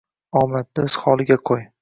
Omadni o`z holiga qo`y